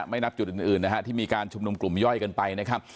นับจุดอื่นนะฮะที่มีการชุมนุมกลุ่มย่อยกันไปนะครับ